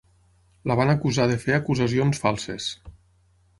La van acusar de fer acusacions falses.